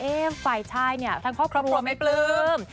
เอ๊ะไฟล์ชัยเนี่ยทั้งครอบครัวไม่ปลื้ม